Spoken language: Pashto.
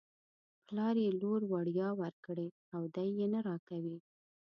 پلار یې لور وړيا ورکړې او دی یې نه راکوي.